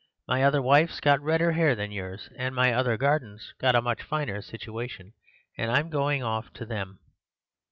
My other wife's got redder hair than yours, and my other garden's got a much finer situation; and I'm going off to them."